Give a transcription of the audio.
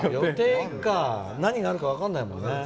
何があるか分からないもんね。